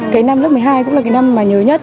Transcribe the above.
cái năm lớp một mươi hai cũng là cái năm mà nhớ nhất